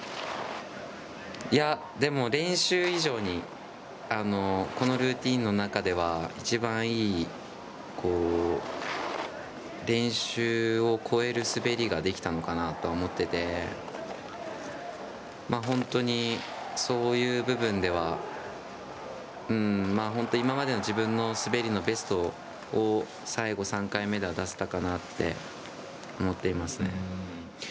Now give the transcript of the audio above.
でも練習以上にこのルーティンの中では一番いい練習を超える滑りができたのかなと思っていてそういう部分では今までの自分の滑りのベストを最後３回目では出せたかなって思っていますね。